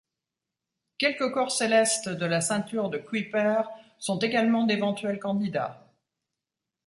Quelques corps célestes de la ceinture de Kuiper sont également d'éventuels candidats.